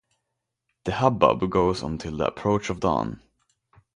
The hubbub goes on till the approach of dawn.